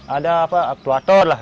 ada apa actuator lah